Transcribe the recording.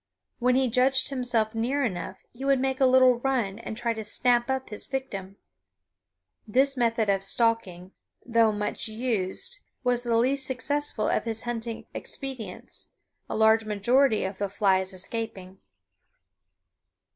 When he judged himself near enough he would make a little run and try to snap up his victim. This method of stalking, though much used, was the least successful of his hunting expedients, a large majority of the flies escaping.